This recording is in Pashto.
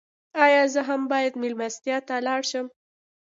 ایا زه باید میلمستیا ته لاړ شم؟